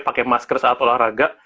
pakai masker saat olahraga